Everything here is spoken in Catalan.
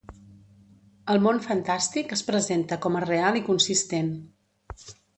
El món fantàstic es presenta com a real i consistent.